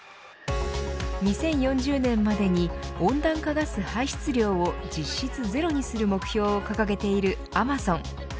２０４０年までに温暖化ガス排出量を実質ゼロにする目標を掲げているアマゾン。